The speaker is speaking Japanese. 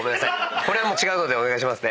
これ違うのでお願いしますね。